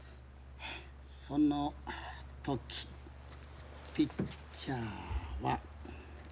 「その時ピッチャーは」。